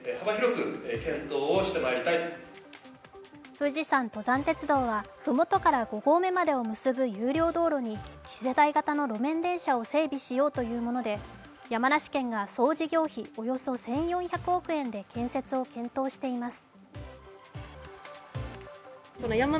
富士山登山鉄道は麓から５合目までを結ぶ有料道路に次世代型の路面電車を整備しようというもので山梨県が総事業費およそ１４００億円で建設を検討しています。